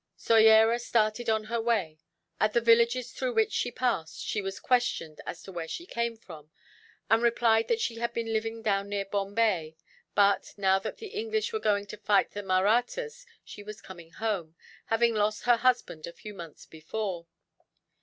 Soyera started on her way. At the villages through which she passed, she was questioned as to where she came from; and replied that she had been living down near Bombay but, now that the English were going to fight the Mahrattas, she was coming home, having lost her husband a few months before.